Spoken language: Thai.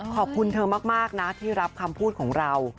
ขอบคุณเธอมากนะที่รับคำพูดของเรา